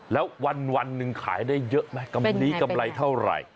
แล้ววันหนึ่งขายได้เยอะไหมกำลีกำไรเท่าไหร่